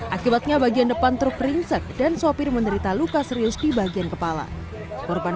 akibatnya bagian depan truk pringsek dan sopir menderita luka serius di bagian kepala korban